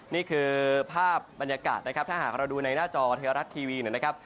นี่คือภาพบรรยากาศนะครับถ้าหากเราดูในหน้าจอไทยรัฐทีวีนะครับ